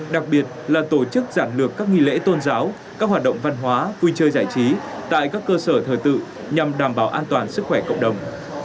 đặc biệt là tổ chức giảng lược các nghi lễ tôn giáo các hoạt động văn hóa vui chơi giải trí tại các cơ sở thờ tự nhằm đảm bảo an toàn sức khỏe cộng đồng